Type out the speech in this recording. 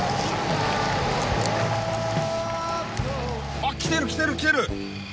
あっ来てる来てる来てる。